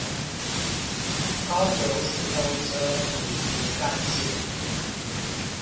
高雄市公車民族幹線